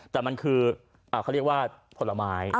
แต่มันคือเขาเรียกว่าผลไม้